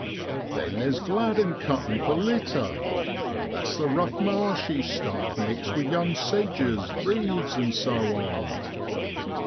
Then there's gladdon cuttin' for litter that's the rough marshy stuff mixed with young sedges, reeds, an' so on.